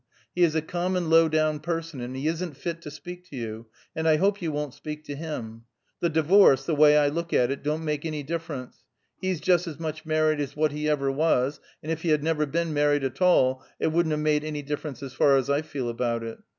He is a common low down person, and he isn't fit to speake to you, and I hope you wont speake to him. The divorce, the way I look at it, don't make any difference; hese just as much married as what he ever was, and if he had never been married atoll, it wouldn't of made any difference as far as I feel about it.